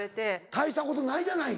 「大したことないじゃない」。